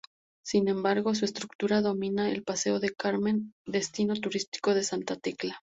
Sin embargo, su estructura domina el Paseo El Carmen, destino turístico de Santa Tecla.